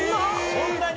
そんなに？